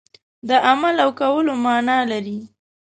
د عمل او کولو معنا لري.